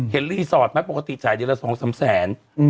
เห็นรีสอร์ตปกติจ่ายเยอะละ๒๓แสน